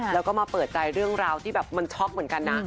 แล้วก็มาเปิดใจเรื่องราวที่แบบมันช็อกเหมือนกันนะ